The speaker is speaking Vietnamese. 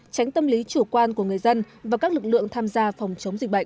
tránh tâm lý chủ quan của người dân và các lực lượng tham gia phòng chống dịch bệnh